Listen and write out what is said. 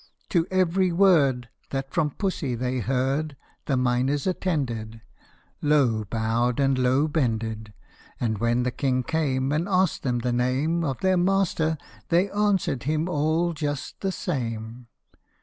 To every word That from Pussy they heard The miners attended Low bowed and low bended ; And when the King came, And asked them the name Of their master, they answered him all just the same.